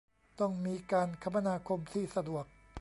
ต้องมีการคมนาคมที่สะดวก